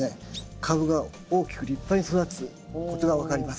株が大きく立派に育つことが分かります。